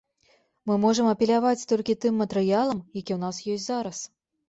Мы можам апеляваць толькі тым матэрыялам, які ў нас ёсць зараз.